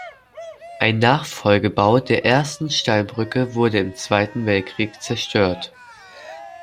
Ein Nachfolgebau der ersten Steinbrücke wurde im Zweiten Weltkrieg zerstört.